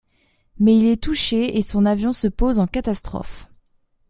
Mais il est touché et son avion se pose en catastrophe.